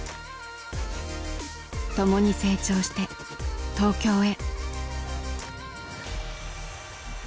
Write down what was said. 「共に成長して東京へ」。